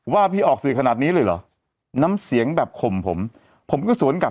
ว่าพี่ออกสื่อขนาดนี้เลยเหรอน้ำเสียงแบบข่มผมผมก็สวนกลับ